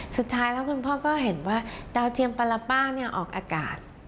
สุดท้ายแล้วคุณพ่อก็เห็นว่าดาวเทียมปลารป้าเนี่ยออกอากาศ